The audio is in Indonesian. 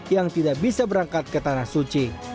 yang tidak bisa berangkat ke tanah suci